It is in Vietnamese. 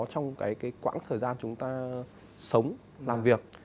trong cái quãng thời gian chúng ta sống làm việc